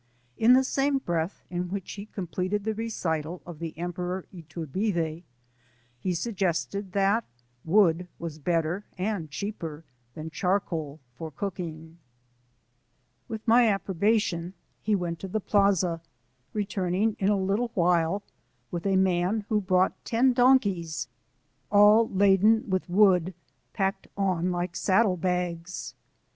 In the same breath in which he completed the recital of the Emperor Iturbide, he suggested that wood was better and cheaper than charcoal for cooking. With my approbation he went to the plaza, returning in a little while with a man who brought ten donkeys, all laden with wood packed on like saddle bags.